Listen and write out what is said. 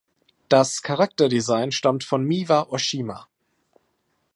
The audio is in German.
Das Charakter-Design stammt von Miwa Oshima.